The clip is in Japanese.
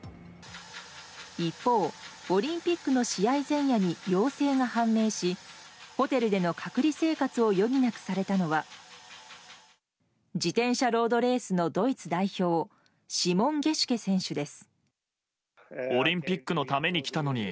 一方、オリンピックの試合前夜に陽性が判明し、ホテルでの隔離生活を余儀なくされたのは自転車ロードレースのドイツ代表シモン・ゲシュケ選手です。